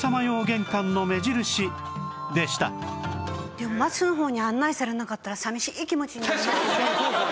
でも松の方に案内されなかったら寂しい気持ちになりますよね。